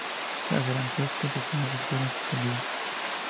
Las garantías constitucionales fueron suspendidas.